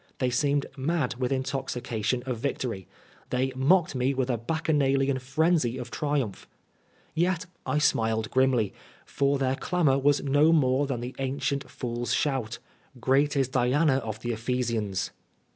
They seemed mad with intoxication of victory ; they mocked me with a bacchanalian frenzy of triumph. Yet I smiled grimly, for their clamor was no more than the ancient foor^ shout, <* Great is Diana of the Ephe sians."